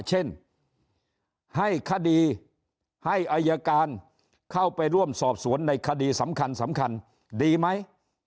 เช่นให้คดีให้อายการเข้าไปร่วมสอบสวนในคดีสำคัญสำคัญดีไหม